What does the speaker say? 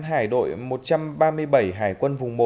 hải đội một trăm ba mươi bảy hải quân vùng một